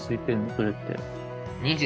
それって。